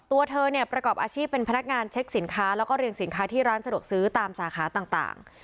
ตัวเธอเนี่ยประกอบอาชีพเป็นพนักงานเช็คสินค้าแล้วก็เรียงสินค้าที่ร้านสะดวกซื้อตามสาขาต่าง